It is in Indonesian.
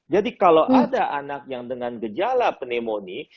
jadi kalau ada anak yang dengan gejala pneumonia